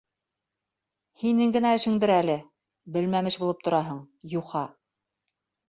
Һинең генә эшеңдер әле, белмәмеш булып тораһың, юха!